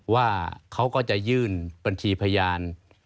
ว่าเขาก็จะยื่นบัญชีพยาน